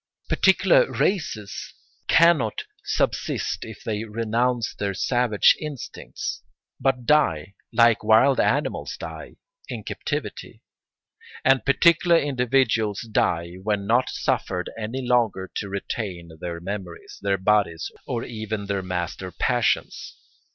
Particular races cannot subsist if they renounce their savage instincts, but die, like wild animals, in captivity; and particular individuals die when not suffered any longer to retain their memories, their bodies, or even their master passions.